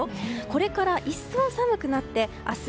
これから一層寒くなり明日